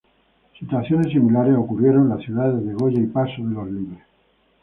Situaciones similares ocurrieron en las ciudades de Goya y Paso de los Libres.